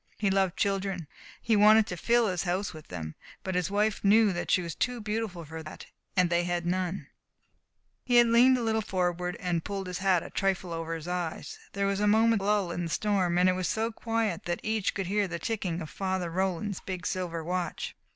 He loved children. He wanted to fill his home with them. But his wife knew that she was too beautiful for that and they had none." He had leaned a little forward, and had pulled his hat a trifle over his eyes. There was a moment's lull in the storm, and it was so quiet that each could hear the ticking of Father Roland's big silver watch.